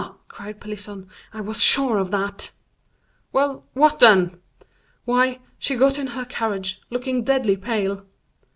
cried Pelisson, "I was sure of that." "Well! what then?" "Why, she got into her carriage, looking deadly pale."